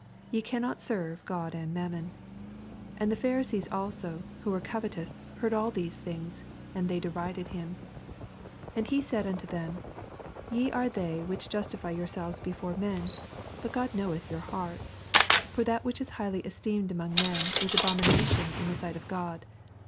Ye cannot serve God and mammon. 14 And the Pharisees also, who were covetous^ heard all these things : and they derided him. 15 And he said unto them, Ye are they which justify yourselves before men ; but God knoweth your hearts : for tnat which is highly esteemed among men is abomination in the sight of God.